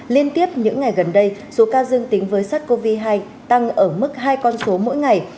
liên tiếp những ngày gần đây số ca dương tính với sars cov hai tăng ở mức hai con số mỗi ngày